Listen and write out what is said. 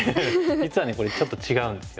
実はねこれちょっと違うんですよね。